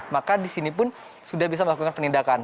maka di sini pun sudah bisa melakukan penindakan